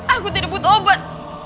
aku tidak butuh obat